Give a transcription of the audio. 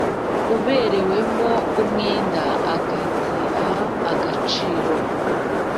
uberewemo umwenda akagiha agaciro